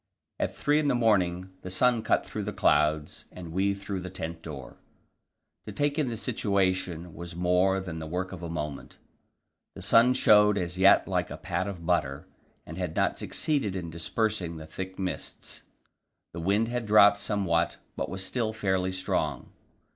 At three in the morning the sun cut through the clouds and we through the tent door. To take in the situation was more than the work of a moment. The sun showed as yet like a pat of butter, and had not succeeded in dispersing the thick mists; the wind had dropped somewhat, but was still fairly strong.